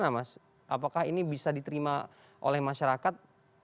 ini bagaimana mas apakah ini bisa diterima oleh masyarakat